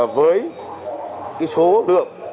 với số lượng